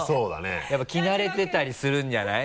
やっぱり着慣れてたりするんじゃない？